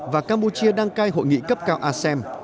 và campuchia đăng cai hội nghị cấp cao asean